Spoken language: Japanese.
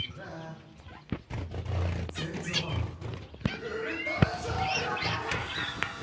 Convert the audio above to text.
全然分かんなかった。